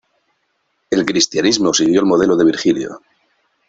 El cristianismo siguió el modelo de Virgilio.